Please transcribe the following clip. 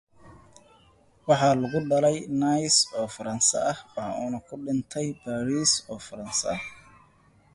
He was born in Nice, France and died in Paris, France.